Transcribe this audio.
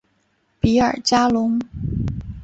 比尔加龙。